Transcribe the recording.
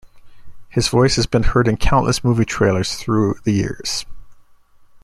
His voice has been heard in countless movie trailers through the years.